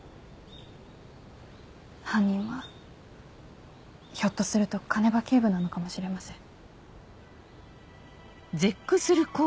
犯人はひょっとすると鐘場警部なのかもしれません。